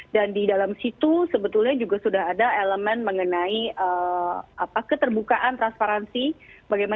dan di dalam situ sebetulnya kita harus memperhatikan semua perubahan yang ada